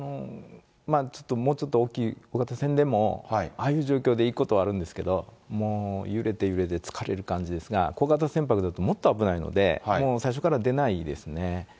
ちょっともうちょっと小型船でも、ああいう状況で行くことはあるんですけれども、もう揺れて揺れて疲れる感じですが、小型船舶だと、もっと危ないので、もう最初から出ないですね。